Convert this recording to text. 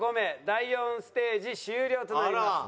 第４ステージ終了となります。